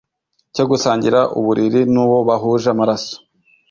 cyo gusangira uburiri n’uwo bahuje amaraso,